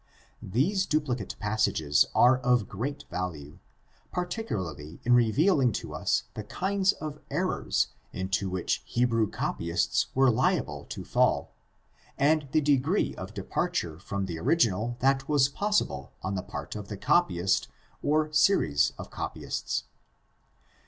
These duplicate passages are of great value, particularly in revealing to us the kinds of errors into which Hebrew copyists were liable to fall and the degree of depar ture from the original that was possible on the part of a copy ist or series of copyists.